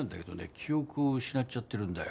記憶を失っちゃってるんだよ。